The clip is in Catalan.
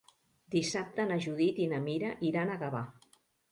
Dissabte na Judit i na Mira iran a Gavà.